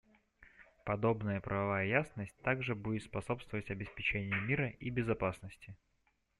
Подобная правовая ясность также будет способствовать обеспечению мира и безопасности.